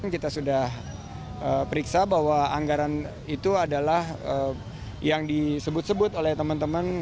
kita sudah periksa bahwa anggaran itu adalah yang disebut sebut oleh teman teman